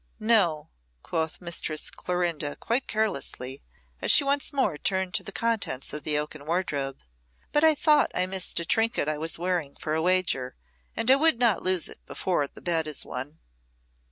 "No," quoth Mistress Clorinda quite carelessly, as she once more turned to the contents of the oaken wardrobe; "but I thought I missed a trinket I was wearing for a wager, and I would not lose it before the bet is won."